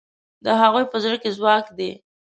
د هغوی په زړه کې ځواک دی.